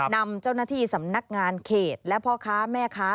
นำเจ้าหน้าที่สำนักงานเขตและพ่อค้าแม่ค้า